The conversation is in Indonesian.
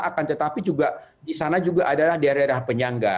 akan tetapi juga di sana juga adalah daerah daerah penyangga